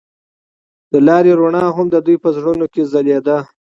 د لاره رڼا هم د دوی په زړونو کې ځلېده.